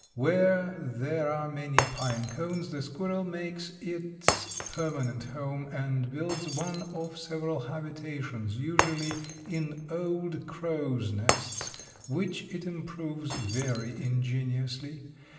Where there are many pine cones the squirrel makes its permanent home, and builds one or several habitations, usually in old crows' nests, which it improves very ingeniously.